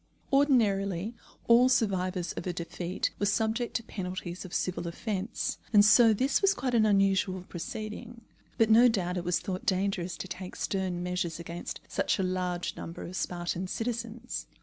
Ordinarily all survivors of a defeat were subject to penalties of civil offence, and so this was quite an unusual proceeding; but no doubt it was thought dangerous to take stern measures against such a large number of Spartan citizens.